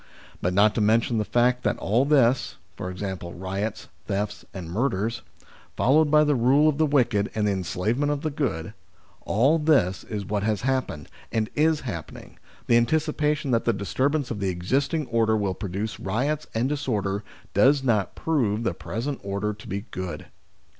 But not to mention the fact that all this i.e. riots, thefts, and murders, followed by the rule of the wicked and the enslavement of the good all this is what has happened, and is happening, the anticipation that the disturbance of the existing order will produce riots and dis order does not prove the present order to be good.